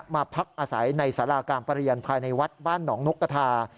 มาพักอาศัยในสาราการประเรียนภายในวัดบ้านหนองนกกระทา